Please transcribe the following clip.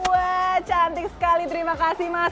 wah cantik sekali terima kasih mas